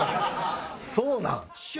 そうなん？